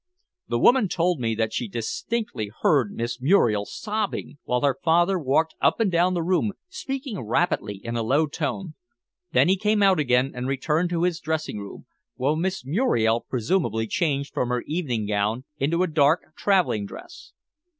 The woman told me that she distinctly heard Miss Muriel sobbing, while her father walked up and down the room speaking rapidly in a low tone. Then he came out again and returned to his dressing room, while Miss Muriel presumably changed from her evening gown into a dark traveling dress.